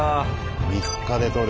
３日で撮る。